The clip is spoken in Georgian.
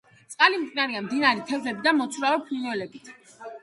წყალი მტკნარია, მდიდარია თევზითა და მოცურავე ფრინველებით.